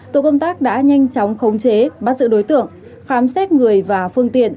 tổ công tác đã nhanh chóng khống chế bắt giữ đối tượng khám xét người và phương tiện